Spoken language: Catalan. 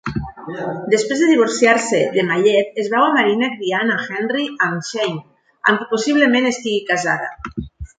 Després de divorciar-se de Mallet, es veu a Marina criant a Henry amb Shayne, amb qui possiblement estigui casada.